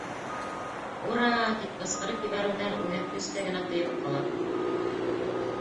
«Ур-р-ра!..» тип ҡысҡырып ебәреүҙән үҙен көскә генә тыйып ҡала.